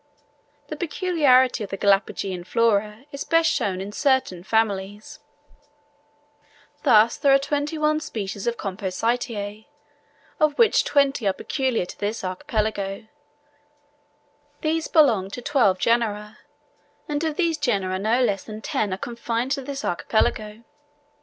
The peculiarity of the Galapageian Flora is best shown in certain families; thus there are 21 species of Compositae, of which 20 are peculiar to this archipelago; these belong to twelve genera, and of these genera no less than ten are confined to the archipelago!